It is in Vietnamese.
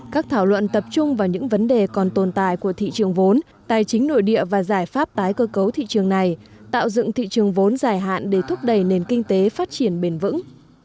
các thảo luận tập trung vào những vấn đề còn tồn tại của thị trường vốn tài chính nội địa và giải pháp tái cơ cấu thị trường này tạo dựng thị trường vốn dài hạn để thúc đẩy nền kinh tế phát triển bền vững